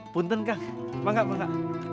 puntun kang bangga bangga